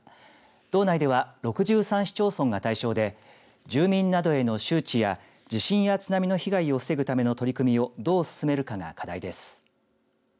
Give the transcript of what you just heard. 道内では６３市町村が対象で住民などへの周知や地震や津波の被害を防ぐための取り組みをどう進めるかが課題です。